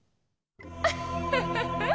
ウッフフフ！